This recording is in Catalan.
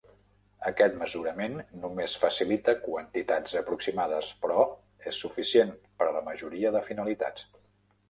Aquest mesurament només facilita quantitats aproximades, però és suficient per a la majoria de finalitats.